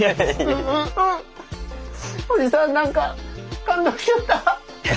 うんうんうんおじさん何か感動しちゃった。